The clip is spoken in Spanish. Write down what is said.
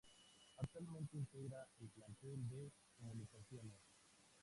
Actualmente integra el plantel de Comunicaciones.